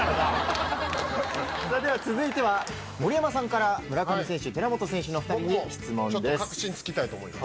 では続いては盛山さんから村上選手寺本選手の２人に質問です。